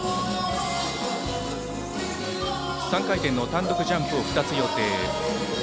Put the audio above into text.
３回転の単独ジャンプを２つ予定。